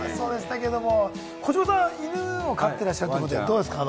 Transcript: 児嶋さん、犬を飼ってらっしゃるということで、どうですか？